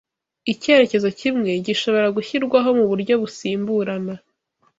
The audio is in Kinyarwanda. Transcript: icyerekezo kimwe gishobora gushyirwaho mu buryo busimburana